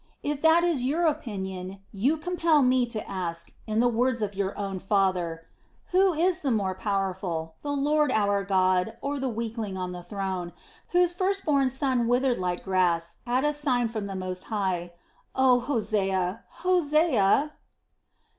If that is your opinion, you compel me to ask, in the words of your own father: 'Who is the more powerful, the Lord our God or the weakling on the throne, whose first born son withered like grass at a sign from the Most High. Oh, Hosea! Hosea!